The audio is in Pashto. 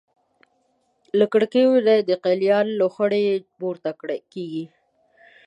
له کړکیو نه یې د قلیان لوخړې پورته کېږي.